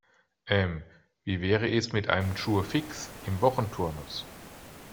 Ähm, wie wäre es mit einem Jour fixe im Wochenturnus?